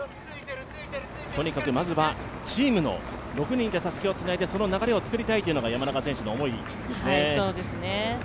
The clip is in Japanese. とにかくまずはチームの６人でたすきをつないでその流れを作りたいというのが山中選手の思いですね。